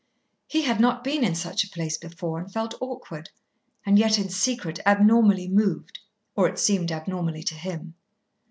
He had not been in such a place before, and felt awkward, and yet in secret abnormally moved, or it seemed abnormally to him.